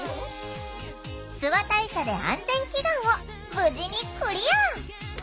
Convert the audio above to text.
「諏訪大社で安全祈願」を無事にクリア！